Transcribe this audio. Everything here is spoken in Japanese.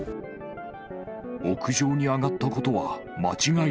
屋上に上がったことは間違い